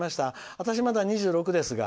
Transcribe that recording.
私まだ２６ですが」。